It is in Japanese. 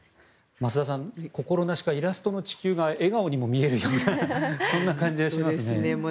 増田さん、心なしかイラストの地球が笑顔にも見えるようなそんな感じがしますね。